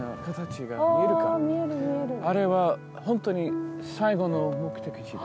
あれは本当に最後の目的地。